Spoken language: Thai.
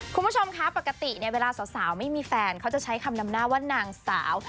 คุณผู้ชมคะปกติเนี่ยเวลาสาวไม่มีแฟนเขาจะใช้คำนำหน้าว่านางสาว